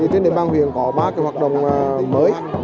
trên địa bàn huyện có ba hoạt động mới